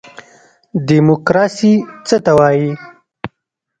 دیموکراسي څه ته وایي؟